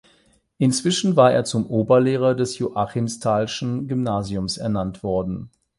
Inzwischen war er zum Oberlehrer des Joachimsthalschen Gymnasiums ernannt worden.